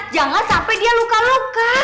jangan sampai dia luka luka